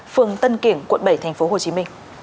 phường tân kiển quận bảy tp hcm